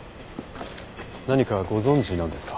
何かご存じなんですか？